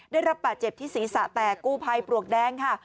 ได้รับบาดเจ็บที่ศีรษะแตกกู้ภัยปลวกแดงค่ะ